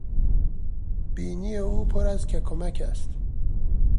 بینی او پر از ککمک است.